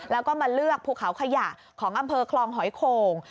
แล้วก็มาเลือกภูเขาขยะของอำเภอคลองหอยโข่ง